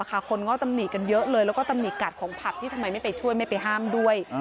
คนก็ตำหนิกันเยอะเลยแล้วก็ตำหนิกัดของผับที่ทำไมไม่ไปช่วยไม่ไปห้ามด้วย